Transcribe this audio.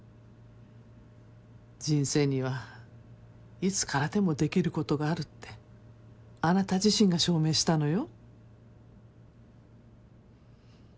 人生にはいつからでもできることがあるってあなた自身が証明したのよ。